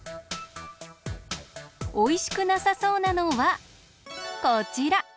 おいしくなさそうなのはこちら。